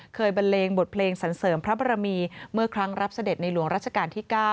บันเลงบทเพลงสันเสริมพระบรมีเมื่อครั้งรับเสด็จในหลวงรัชกาลที่๙